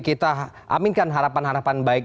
kita aminkan harapan harapan baik